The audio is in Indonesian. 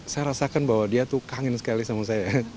saya rasakan bahwa dia tuh kangen sekali sama saya